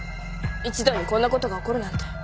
一度にこんなことが起こるなんて。